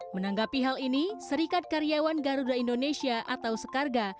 menanggapi hal ini serikat karyawan garuda indonesia atau sekarga